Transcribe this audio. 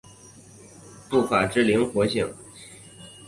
步法之灵活性。